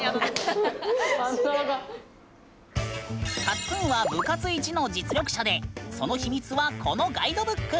カッツンは部活一の実力者でその秘密はこのガイドブック。